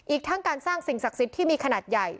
อีกทั้งการสร้างสิ่งศักดิ์สิทธิ์ที่มีขนาดใหญ่